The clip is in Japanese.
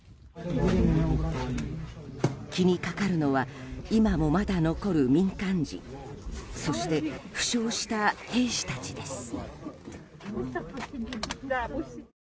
気にかかるのは今もまだ残る民間人そして、負傷した兵士たちです。